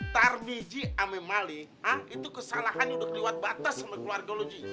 tar mijij sama ma ali itu kesalahan udah keliwat batas sama keluarga lo ji